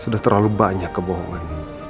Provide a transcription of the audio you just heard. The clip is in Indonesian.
sudah terlalu banyak kebohongan